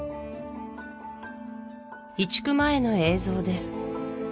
移築前の映像です